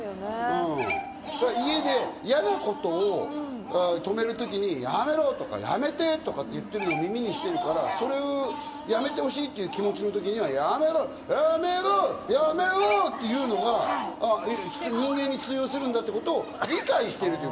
家で嫌なことを止めるときにやめろ！とか、やめて！って言ってるのを耳にしてるから、やめてほしいっていう気持ちの時にやめろ！、やめろ！というのが人間に通用するんだってことを理解してる、ね？